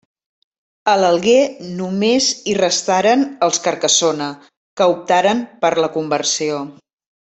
A l’Alguer només hi restaren els Carcassona, que optaren per la conversió.